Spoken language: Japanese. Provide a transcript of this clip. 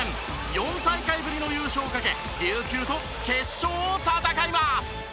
４大会ぶりの優勝をかけ琉球と決勝を戦います。